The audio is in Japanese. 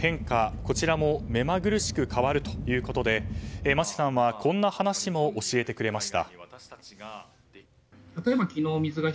こちらもめまぐるしく変わるということで町さんはこんな話も教えてくれました。